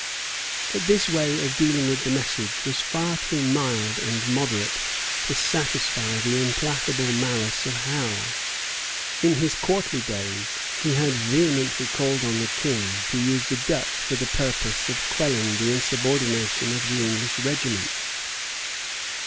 But this way of dealing with the message was far too mild and moderate to satisfy the implacable malice of Howe. In his courtly days he had vehemently called on the King to use the Dutch for the purpose of quelling the insubordination of the English regiments.